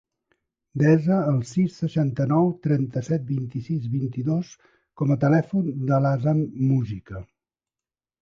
Desa el sis, seixanta-nou, trenta-set, vint-i-sis, vint-i-dos com a telèfon de l'Hamza Mujica.